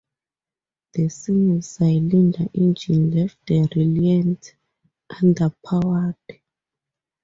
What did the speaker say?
The single-cylinder engine left the Reliant underpowered.